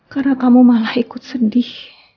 karena kamu malah ikut sedih